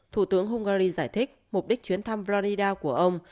thủ tướng hungary giải thích mục đích chuyến thăm bloida của ông